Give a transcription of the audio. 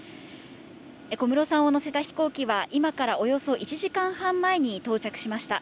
小室さんを乗せた飛行機は、今からおよそ１時間半前に到着しました。